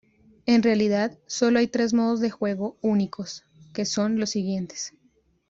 En realidad, solo hay tres modos de juego únicos, que son los siguientes.